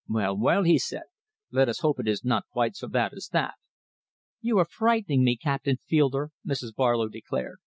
"Well, well," he said, "let us hope it is not quite so bad as that." "You are frightening me, Captain Fielder," Mrs. Barlow declared.